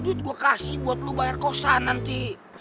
duit gue kasih buat lu bayar kosan nanti